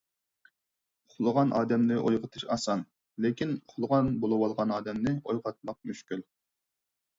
ئۇخلىغان ئادەمنى ئويغىتىش ئاسان، لېكىن ئۇخلىغان بولۇۋالغان ئادەمنى ئويغاتماق مۈشكۈل.